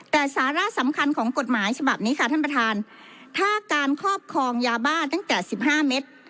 แต่สาระสำคัญของกฎหมายฉบับนี้ค่ะท่านประธานถ้าการครอบครองยาบ้าตั้งแต่สิบห้าเมตร